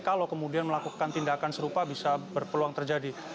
kalau kemudian melakukan tindakan serupa bisa berpeluang terjadi